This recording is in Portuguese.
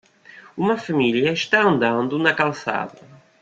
Uma família está andando na calçada.